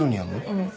うん。